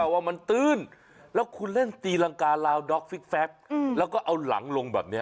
ว่ามันตื้นแล้วคุณเล่นตีรังกาลาวด็อกฟิกแล้วก็เอาหลังลงแบบนี้